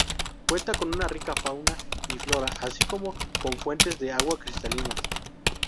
Cuenta con una rica fauna y flora, así como con fuentes de agua cristalinas.